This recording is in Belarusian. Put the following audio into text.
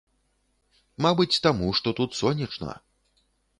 Мабыць таму, што тут сонечна.